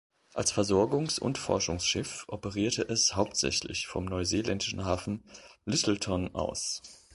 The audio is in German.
Als Versorgungs- und Forschungsschiff operierte es hauptsächlich vom neuseeländischen Hafen Lyttelton aus.